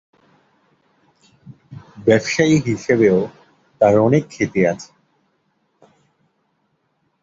ব্যবসায়ী হিসেবেও তার অনেক খ্যাতি আছে।